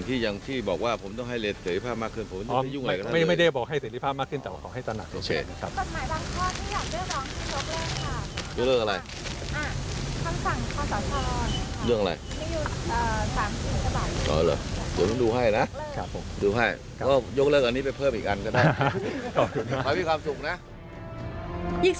อีกส่วนสำคัญ